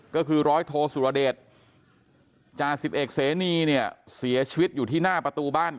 ก็คือร้อยโทสุรเดชจ่า๑๑เสนีเสียชีวิตอยู่ที่หน้าประตูบ้าน